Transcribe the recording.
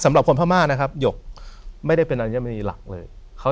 สำหรับคนพาหม้านะครับ